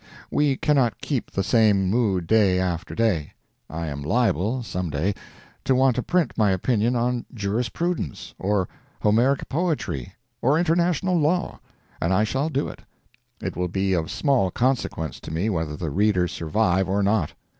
We cannot keep the same mood day after day. I am liable, some day, to want to print my opinion on jurisprudence, or Homeric poetry, or international law, and I shall do it. It will be of small consequence to me whether the reader survive or not.